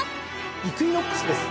イクイノックスです。